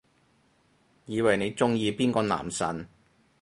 以為你鍾意邊個男神